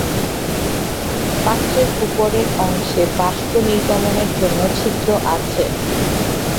পাত্রের উপরের অংশে বাষ্প নির্গমনের জন্য ছিদ্র আছে।